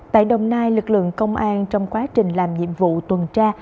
tại đồng nai lực lượng công an trong quá trình làm nhiệm vụ tuần tra